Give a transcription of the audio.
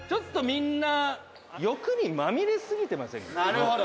「なるほど！」